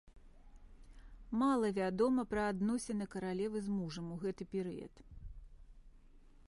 Мала вядома пра адносіны каралевы з мужам у гэты перыяд.